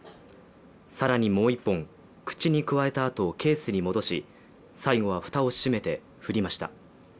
更にもう１本口にくわえたあとケースに戻し最後は蓋を閉めて振りました。